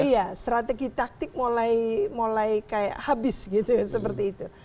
iya strategi taktik mulai kayak habis gitu ya seperti itu